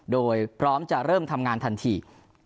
โดยพร้อมจะเริ่มทำงานทันที